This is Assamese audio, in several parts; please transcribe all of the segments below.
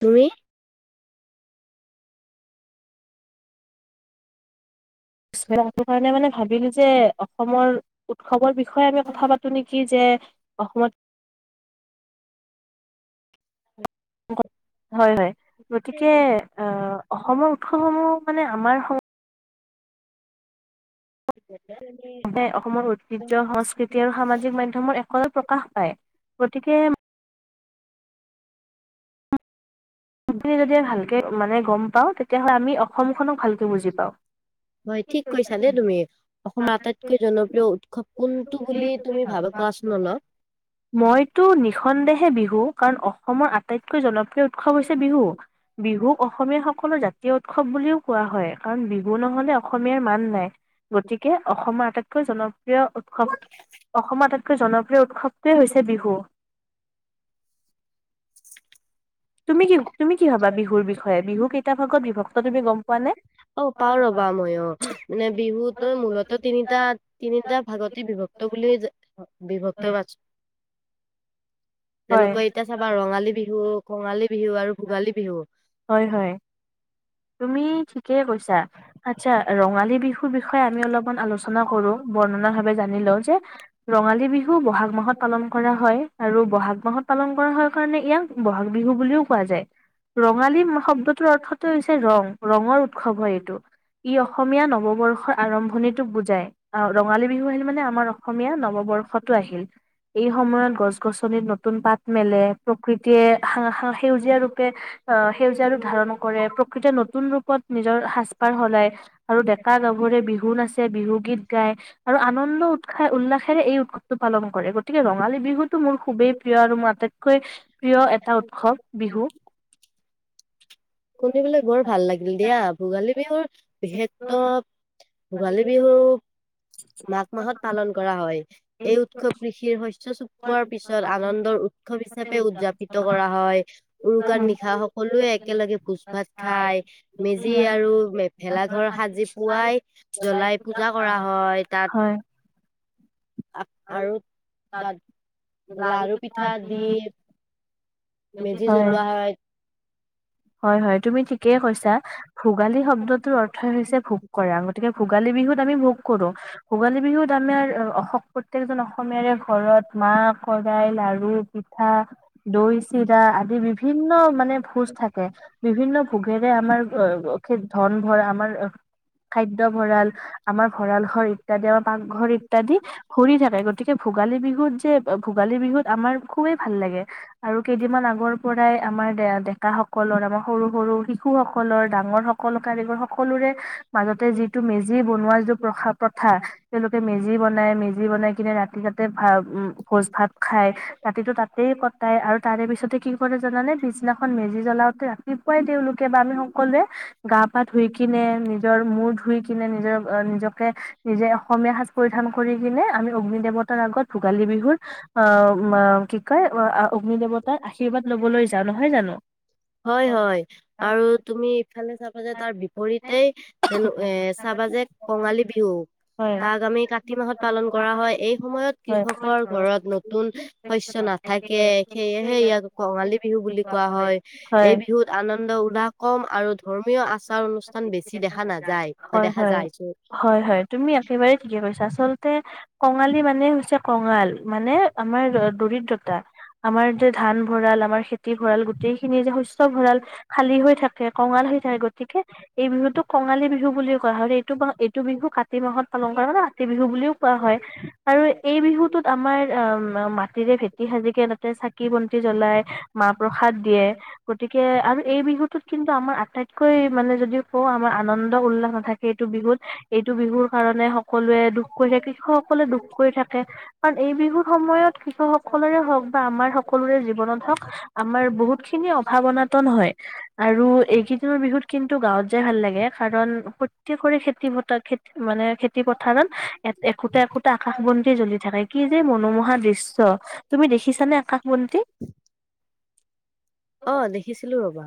তুমি? [unintelligible] কাৰণে মানে ভাবিল যে অসমৰ উৎসৱৰ বিষয়ে আমি কথা পাতো নেকি? কি যে অসমত হয় হয় গতিকে আহ অসমৰ উৎসৱসমূহ মানে আমাৰ সম [unintelligible] মানে অসমৰ ঐতিহ্য সংস্কৃতি আৰু সামাজিক মাধ্যমৰ একতত প্ৰকাশ পায় গতিকে [unintelligible] ভালকে মানে গম পাওঁ তেতিয়াহ'লে আমি অসমখনক ভালকে বুজি পাওঁ। হয় ঠিক কৈছা দেই তুমি অসমৰ আটাইতকৈ জনপ্ৰিয় উৎসৱ কোনটো বুলি তুমি ভাবা কোৱা অলপ। মইতো নিঃসন্দেহে বিহু কাৰণ অসমৰ আটাইতকৈ জনপ্ৰিয় উৎসৱ বিহু, বিহুক অসমীয়া সকলৰ জাতীয় উৎসৱ বুলিও কোৱা হয় কাৰণ বিহু নহলে অসমীয়াৰ মান নাই গতিকে অসমৰ আটাইতকৈ জন প্ৰিয় উৎসৱ, অসমৰ আটাইতকৈ জনপ্ৰিয় উৎসৱটোৱে হৈছে বিহু। তুমি কি তুমি কি ভাবা বিহুৰ বিষয়ে বিহু কেইটা ভাগত বিভক্ত তুমি গম পোৱা নে অ পাও ৰবা মইও মানে বিহুটো মূলত তিনিটা তিনিটা ভাগতে বিভক্ত বুলি জা বিভক্ত আছে তেনেকৈ এতিয়া চাবা ৰঙালী বিহু কঙালী বিহু আৰু হয় হয় তুমি ঠিকেই কৈছা আচ্ছা ৰঙালী বিহুৰ বিষয়ে আমি অলপমান আলোচনা আলোচনা কৰো বৰ্ণনা ভাৱে জানি লওঁ যে ৰঙালী বিহু বহাগ মাহত পালন কৰা হয় আৰু বহাগ মাহত পালন কৰা হয় কাৰণে ইয়াক বহাগ বিহু বুলিও কোৱা যায় ৰঙালী শব্দটোৰ অৰ্থটো হৈছে ৰং ৰঙৰ উৎসৱ হয় এইটো ই অসমীয়া নৱবৰ্ষৰ আৰম্ভণিটোক বুজায় অ ৰঙালী বিহু আহিল মানে আমাৰ অসমীয়া নৱবৰ্ষতো আহিল এই সময়ত গছ গছনিত নতুন পাত মেলে প্ৰকৃতিয়ে সা সা সেউজীয়া ৰূপে আ সেউজীয়া ৰূপ ধাৰণ কৰে প্ৰ নতুন ৰূপত নিজৰ সাজ পাৰ সলায় আৰু ডেকা গাভৰুৱে বিহু নাছে বি বিহু গীত গাই আৰু আনন্দ উৎসাহ উল্লাসেৰে এই উৎসৱটো পালন কৰে গতিকে ৰঙালী বিহুটো মোৰ খুবেই প্ৰিয় আৰু মোৰ আটাইতকৈ প্ৰিয় এটা উৎসৱ বিহু শুনিবলৈ বৰ ভাল লাগিল দিয়া ভোগালী বিহুৰ বিশেষত্ব ভোগালী বিহু মাঘ মাহত পালন কৰা হয় এই উৎসৱ কৃষিৰ শস্য চপোৱাৰ পিছত আনন্দৰ উ উৎসৱ হিচাপে উদযাপিত কৰা হয় উৰুকাৰ নিশা সকলোৱে একেলগে ভোজ ভাত খাই মেজি আৰু ভেলাঘৰ সাজি পোৱাই জ্বলাই পূজা কৰা হয় তাত আ আৰু তাত লাৰু পিঠা দি মেজি জ্বলোৱা হয় হয় হয় তুমি ঠিকেই কৈছা ভোগালী শব্দটোৰ অৰ্থই হৈছে ভোগ কৰা গতিকে ভোগালী বিহুত আমি ভোগ কৰো ভোগালী বিহুত আমাৰ অসম প্ৰত্যেকজন অসমীয়াৰে ঘৰত মাহ শৰাই লাৰু পিঠা দৈ চিৰা আদি বিভিন্ন মানে ভোজ থাকে বিভিন্ন ভোগেৰে আমাৰ অ অ ধন ভৰা আমাৰ খাদ্য ভঁৰাল আমাৰ ভঁৰাল ঘৰ ইত্যাদি আমাৰ পাকঘৰ ইত্যাদি ভৰি থাকে গতিকে ভোগালী বিহুত যে ভোগালী বিহুত আমাৰ খুবেই ভাল লাগে আৰু কেইদিনমান আগৰ পৰাই আমাৰ ডে ডেকা সকলৰ আমাৰ সৰু সৰু শিশুসকলৰ ডাঙৰ সকল কাৰিকৰ সকলোৰে মাজতে যিটো মেজি বনোৱা যিটো প্ৰভাৱ প্ৰথা তেওঁলোকে মেজি বনাই মেজি বনাই কিনে ৰাতি তাতে ভা উম ভোজ ভাত খায় ৰাতিটো তাতেই কটাই আৰু তাৰে পিছতে কি কৰে জানানে পিছ দিনা খন মেজি জ্বলাওতে ৰাতিপুৱাই তেওঁলোকে বা আমি সকলোৱে গা পা ধুই কিনে নিজৰ মূৰ ধুই কিনে নিজৰ নিজকে নিজে অসমীয়া সাজ পৰিধান কৰি কিনে আমি অগ্নি দেৱতাৰ আগত ভোগালী বিহুৰ অ মা কি কয় অগ্নি দেৱতাৰ আশীৰ্বাদ লবলৈ যাওঁ নহয় জানো হয় হয় আৰু তুমি এইফালে চাবা যে তাৰ বিপৰীতেই তেনো এ চাবা যে কঙালী বিহু তাক আমি কাতি মাহত পালন কৰা হয় এই সময়ত কৃষকৰ ঘৰত নতুন শস্য নাথাকে সেয়েহে ইয়াক কঙালী বিহু বুলি কোৱা হয় এই বিহুত আনন্দ উলাহ কম আৰু ধৰ্মীয় আচাৰ অনুষ্ঠান বেছি দেখা নাযায়, অ' দেখা যায়। হয়-হয়, তুমি একেবাৰে ঠিকে কৈছা। আচলতে- কঙালী মানে হৈছে কঙাল মানে আমাৰ দৰিদ্ৰতা। আমাৰ যে ধান ভঁৰাল, আমাৰ খেতি ভঁৰাল- গোটেইখিনি যে শস্য ভঁৰাল, খালী হৈ থাকে, কঙাল হৈ থাকে, গতিকে- এই বিহুটোক কঙালী বিহু বুলিও কোৱা হয়। আৰু এইটো মাহত এইটো বিহু কাতি মাহত- অলংকাৰ মানে ৰাতি বিহু বুলিও কোৱা হয়। আৰু এই বিহুটোত আমাৰ আঁহ' মাটিৰে ভেটি সাজিকে তা'তে চাকি বন- টি জ্বলাই, মাহ প্ৰসাদ দিয়ে, গতিকে আৰু এই বিহুটোত কিন্তু আমাৰ আটাইতকৈ- মানে যদি কওঁ আমাৰ আনন্দ উল্লাস নাথাকে এইটো বিহুত। এইটো বিহুৰ কাৰণে সকলোৱে দুখ কৰি থাকে, কৃষকসকলে দুখ কৰি থাকে। কাৰণ এই বিহুৰ সময়ত কৃষকসকলৰে হওঁক বা আমাৰ সকলোৰে হওঁক- আমাৰ বহুতখিনি অভাৱ অনাতন হয়। আৰু এইকেইদিনৰ বিহুত- গাঁৱত যাই ভাল লাগে, কাৰণ প্ৰত্যেকৰে খেতি পথাৰ খেতি মানে- খেতি পথাৰত একোটা-একোটা আকাশ বন্তি জ্বলি থাকে, কি যে মনোমোহা দৃশ্য। তুমি দেখিছা নে আকাশ বন্তি? অ', দেখিছিলো ৰ'বা।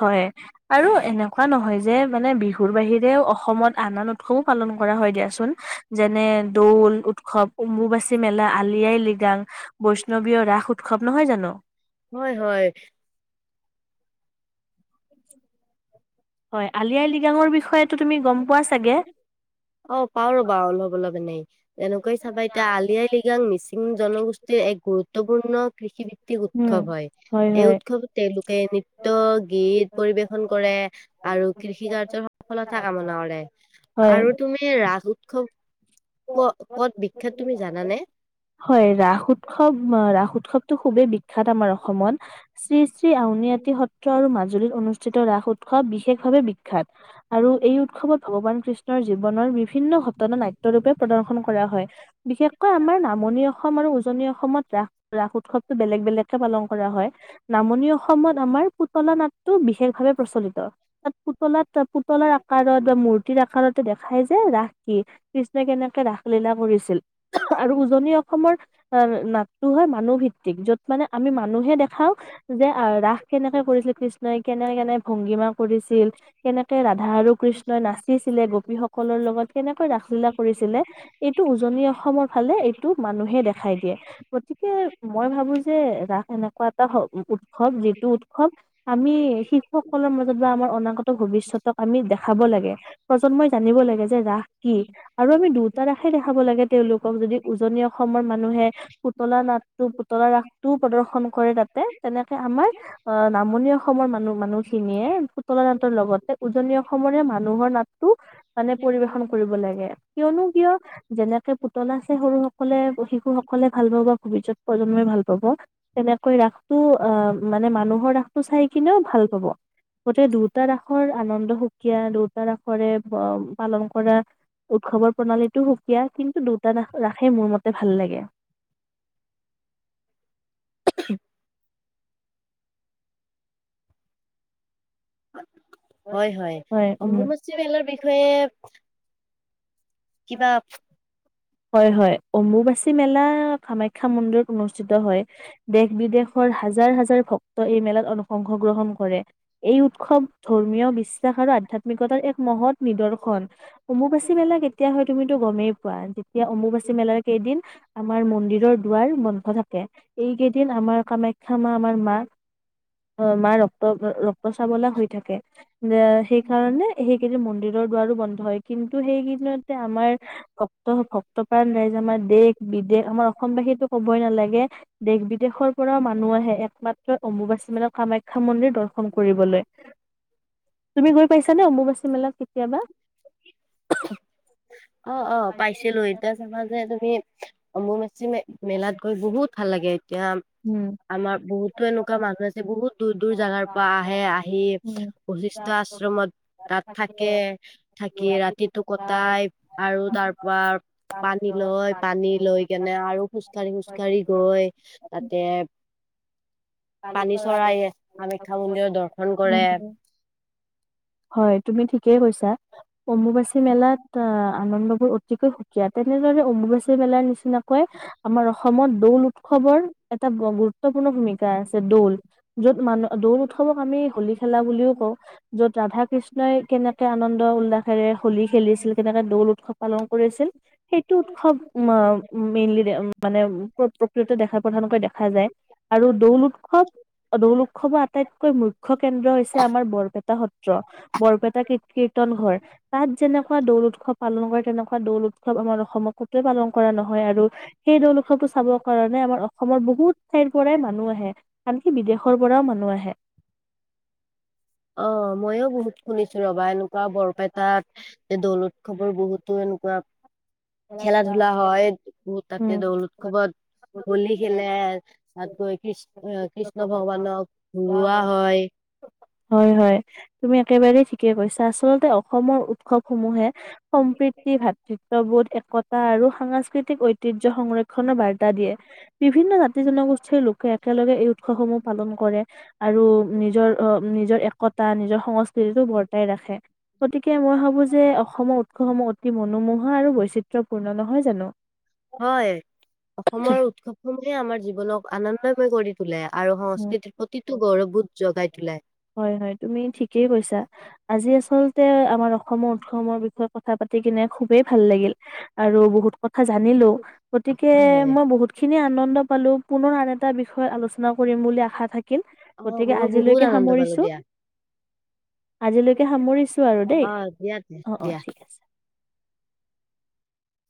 হয়। আৰু এনেকুৱা নহয় যে মানে বিহুৰ বাহিৰেও অসমত আন-আন উৎসৱো পালন কৰা হয় দিয়াচোন। যেনে- দৌল উৎসৱ, অম্বুবাচী মেলা, আলি-আই-লিগাং। বৈষ্ণৱীয় ৰাস উৎসৱ নহয় জানো। হয়-হয়। হয়। আলি-আই-লিগাঙৰ বিষয়েটো তুমি গম পোৱা চাগে? অ' পাওঁ ৰ'বা অলপ-অলপ এনেই। তেনেকুৱাই হিচাপে এতিয়া আলি-আই-লি গাং মিচিং জনগোষ্ঠীৰ এক গুৰুত্বপূৰ্ণ কৃষিভিত্তিক উৎসৱ হয়। এই উৎসৱত তেওঁলোকে নৃত্য, গীত পৰিবেশন কৰে আৰু- কৃষি কাৰ্যৰ সফলতা কামনা কৰে। আৰু তুমি ৰাস উৎসৱ- ক-ক'ত বিখ্যাত তুমি জানানে? হয়, ৰাস উৎসৱ, ৰাস উৎসৱটো খুবেই বিখ্যাত আমাৰ অসমত। শ্ৰী-শ্ৰী আউনীআটী সত্ৰ আৰু মাজুলীত অনুষ্ঠিত ৰাস উৎ- সৱ বিশেষভাৱে বিখ্যাত। আৰু এই উৎসৱত ভগৱান কৃষ্ণ- ৰ জীৱনৰ বিভিন্ন ঘটনা নাট্য- ৰূপে প্ৰদৰ্শন কৰা হয়। বিশেষকৈ আমাৰ নামনি অসম আৰু উজনি অসমত ৰাস-ৰাস উৎসৱ- বেলেগ-বেলেগকে পালন কৰা হয়। নামনি অসমত আমাৰ পুতলা নাট- টো বিশেষ ভাৱে প্ৰচলিত। তা'ত পুতলাত-পুতলাৰ আকাৰত বা মূৰ- তিৰ আকাৰতে দেখাই যে ৰাস কি' কৃষ্ণই কেনেকে ৰাসলীলা কৰিছিল। আৰু উজনি অসমৰ- নাটটো হয় মানুহ ভিত্তিক, য'ত মানে আমি মানুহে দেখাওঁ। যে ৰাস কেনেকে কৰিছিল কৃষ্ণই কেনে-কেনে ভংগীমা কৰিছিল। কেনেকে ৰাধা আৰু কৃষ্ণই নাচিছিলে গোপীসকলৰ লগত কেনেকৈ ৰাসলীলা কৰিছিলে- এইটো উজনি অসমৰ ফালে এইটো মানুহে দেখাই দিয়ে। গতিকে মই ভাবো যে ৰাস এনেকুৱা এটা উৎসৱ যিটো উৎসৱ- আমি শিশুসকলৰ মাজত বা আমাৰ অনাগত ভৱিষ্যতক আমি দেখাব লাগে। প্ৰজন্মই জানিব লাগে যে ৰাস কি'। আৰু আমি দুটা ৰাসে দেখাব লাগে তেওঁলোকক যদি উজনি অসমৰ মানুহে, পুতলা নাচটো পুতলা ৰাসটোও প্ৰদৰ্শন কৰে তাতে তেনেকে আমাৰ, আহ নামনি অসমৰ মানুহ মানুহখিনিয়ে পুতলা নাটৰ লগতে উজনি অসমৰে মানুহৰ নাটটো। মানে পৰিবেশন কৰিব লাগে কিয়নো কিয়, যেনেকে পুতলা আছে সৰু সকলে শিশু সকলে ভাল পাব ভৱিষ্যত প্ৰজন্মই ভাল পাব। তেনেকৈ ৰাসটো আহ মানে মানুহৰ ৰাসটো চাই কিনেও ভাল পাব। গোটেই দুয়োটা ৰাসৰ আনন্দ সুকীয়া দুয়োটা ৰাসৰে পালন কৰা, উৎসৱৰ প্ৰণালীটো সুকীয়া কিন্তু দুটা ৰাস ৰাসেই মোৰ মতে ভাল লাগে। হয় হয় অম্বুবাচি মেলাৰ বিষয়ে, কিবা হয় হয় অম্বুবাচী মেলা কামাখ্যা মন্দিৰত অনুষ্ঠিত হয়। দেশ বিদেশৰ হাজাৰ হাজাৰ ভক্তই এই মেলাত অংহগ্ৰহন কৰে। এই উৎসৱ ধৰ্মীয় বিশ্বাস আৰু আধ্যাত্মিক। অতাৰ এক মহৎ নিদৰ্শন অম্বুবাচী মেলা কেতিয়া হয় তুমিতো গমেই পোৱা। এতিয়া অম্বুবাচী মেলাৰ কেইদিন আমাৰ মন্দিৰৰ দুৱাৰ বন্ধ থাকে। এই কেইদিন আমাৰ কামাখ্যা মা আমাৰ মা মাৰ ৰক্ত ৰক্ত, পচাবলা হৈ থাকে যে সেইকাৰণে সেইকেইদিন মন্দিৰৰ দুৱাৰো বন্ধ হয়। কিন্তু সেইকেইদিনতে আমাৰ ভক্ত ভক্তপ্ৰাণ ৰাইজ আমাৰ দেশ, বিদেশ আমাৰ অসমবাসীটো কবই নালাগে দেশ বিদেশৰ, পৰাও মানুহ আহে একমাত্ৰ অম্বুবাচী মেলাত কামাখ্যা মন্দিৰ দৰ্শন কৰিবলৈ। তুমি গৈ পাইছা নে অম্বুবাচী মেলাত কেতিয়াবা? [unintelligible] অহ অহ পাইছিলো এতিয়া চাবা যে তুমি অম্বুবাচী মে মেলাত, গৈ বহুত ভাল লাগে এতিয়া, আমাৰ বহুতো এনেকুৱা মানুহ আছে বহুত দূৰ দূৰ জাগাৰ পৰা আহে আহি, বৈশিষ্ট্য আশ্ৰমত তাত থাকে থাকি ৰাতি, ৰাতিটো কটাই আৰু তাৰ পৰা পানী লয় পানী লৈ কেনে আৰু, খোজকাঢ়ি খোজকাঢ়ি গৈ তাতে পানী চৰাইয়ে কামাখ্যা মন্দিৰত দৰ্শন কৰে। হয় তুমি ঠিকেই কৈছা অম্বুবাচী মেলাত অহ, আনন্দবোৰ অতিকৈ সুকীয়া তেনেদৰে অম্বুবাচী মেলাৰ নিচিনাকৈ, আমাৰ অসমত দৌল উৎসৱৰ এটা গুৰুত্বপূৰ্ণ ভূমি কা আছে দৌল য'ত মানুহ দৌল উৎসৱক আমি হলি খেলা বুলিও কওঁ। য'ত ৰাধা কৃষ্ণই কেনেকে আনন্দ উল্লাসেৰে হোলী খেলিছিল কেনেকে দৌল উৎসৱ পালন কৰিছিল। সেইটো উৎসৱ উম মেইনলি মানে প্ৰকৃততে দেখা প্ৰধানকৈ দেখা যায়। আৰু দৌল উৎসৱ অহ দৌল উৎসৱৰ আটাইতকৈ মুখ্য কেন্দ্ৰ হৈছে বৰপেটা সত্ৰ। বৰপেটা কী কীৰ্তন ঘৰ। তাত যেনেকুৱা দৌল উৎসৱ পালন কৰে তেনেকুৱা দৌল উৎসৱ আমাৰ অসমতো, পালন কৰা নহয় আৰু সেই দৌল উৎসৱটো চাবৰ কাৰণে আমাৰ অসমৰ বহুত ঠাইৰ পৰাই মানুহ আহে। আহে আনকি বিদেশৰ পৰাও মানুহ আহে। অহ ময়ো বহুত শুনিছো ৰবা এনেকুৱা বৰপেটাত দৌল উৎসৱৰ বহুত। টো এনেকুৱা খেলা ধূলা হয় বহু তাতে দৌল উৎসৱত। হোলী খেলে তাত গৈ কৃষ্ণ আহ কৃষ্ণ ভগৱানক লোৱা হয়। হয় হয় তুমি একেবাৰেই ঠিকে কৈছা আচলতে অসমৰ উৎসৱ সমূহে, সম্প্ৰীতি, ভাতৃত্ববোধ, একতা আৰু সাংস্কৃতিক ঐ ঐতিহ্য সংৰক্ষণৰ বাৰ্তা দিয়ে। বিভিন্ন জাতি জনগোষ্ঠীৰ লোকে একেলগে এই উৎসৱসমূহ পালন কৰে আৰু নিজৰ নিজৰ একতা নিজৰ সংস্কৃতিটো বৰ্তাই ৰাখে। গতিকে মই ভাবো যে অসমৰ উৎসসমূহ অতি মনোমোহা আৰু বৈচিত্ৰয়পূৰ্ণ, নহয় জানো? হয়, অসমৰ উৎসৱসমূহে আমাৰ জীৱনক আনন্দময় কৰি তোলে আৰু সংস্কৃতিৰ প্ৰতিটো গৌৰৱবোধ জগাই তোলাই। হয়, হয়, তুমি ঠিকেই কৈছা। আজি আচলতে আমাৰ অসমৰ উৎসৱৰ বিষয়ে কথা পাতি কিনে খুবেই ভাল লাগিল। আৰু বহুত কথা জানিলো। গতিকে মই বহুত খিনি আনন্দ পালোঁ, পুনৰ আন এটা বিষয়ে আলোচনা কৰিম বুলি আশা থাকিল, গতিকে আজিলৈকে সামৰিছো। আজিলৈকে সামৰিছো আৰু দেই অ', অ', ঠিক আছে।